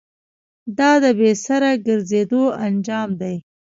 دا د بې سره گرځېدو انجام دی.